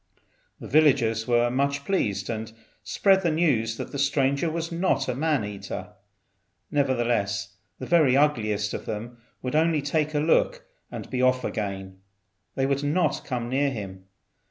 The villagers were much pleased, and spread the news that the stranger was not a man eater. Nevertheless, the very ugliest of all would only take a look and be off again; they would not come near him.